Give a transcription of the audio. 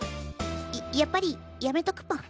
やっぱりやめとくぽん。